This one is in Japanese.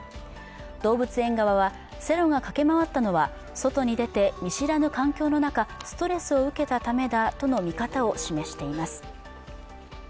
動物園側はセロが駆け回ったのは、外に出て見知らぬ環境の中、ストレスを受けたためだとの見方を示しています。